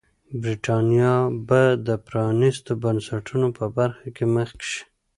برېټانیا به د پرانیستو بنسټونو په برخه کې مخکې شي.